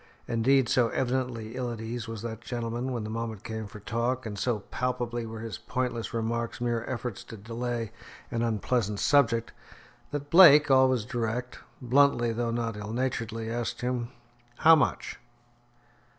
Indeed, so evidently ill at ease was that gentleman, when the moment came for talk, and so palpably were his pointless remarks mere efforts to delay an unpleasant subject, that Blake, always direct bluntly though not ill naturedly asked him, "How much?"